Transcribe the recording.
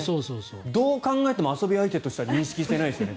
どう考えても遊び相手としては認識していないですね。